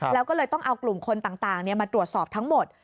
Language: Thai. แล้วก็เลยต้องเอากลุ่มคนต่างมาตรวจสอบทั้งหมด